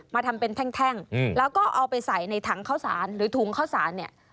มาทำเป็นแท่งแล้วก็เอาไปใส่ในถังข้าวสารหรือถุงข้าวสารเนี่ย